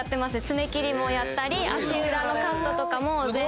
爪切りもやったり足裏のカットも全部。